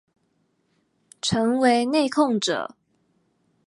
成為內控者